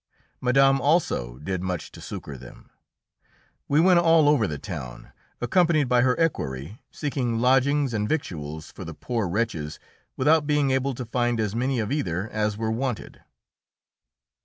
Madame also did much to succour them; we went all over the town, accompanied by her equerry, seeking lodgings and victuals for the poor wretches, without being able to find as many of either as were wanted.